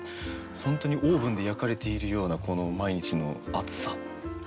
本当にオーブンで焼かれているようなこの毎日の暑さ。